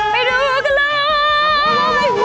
ไปดูกันเลย